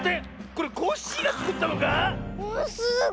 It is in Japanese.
これコッシーがつくったのか⁉すごい！